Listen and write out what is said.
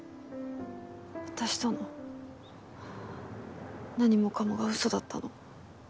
私との何もかもが嘘だったの？